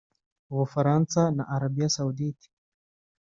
Ubufaransa na Arabia Saudite